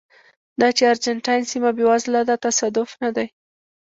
دا چې ارجنټاین سیمه بېوزله ده تصادف نه دی.